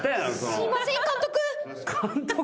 すいません監督。